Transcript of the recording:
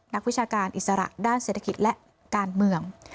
วิชาการอิสระด้านเศรษฐกิจและการเมือง